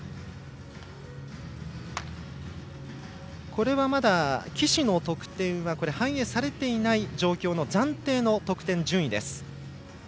これはまだ岸の得点は反映されていない暫定の得点順位です。